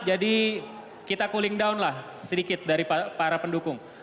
jadi kita cooling down lah sedikit dari para pendukung